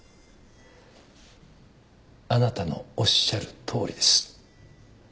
あなたのおっしゃるとおりです。